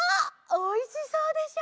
おいしそうでしょ？